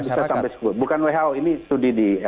bisa sampai sepuluh bukan who ini studi di